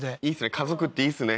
家族っていいですね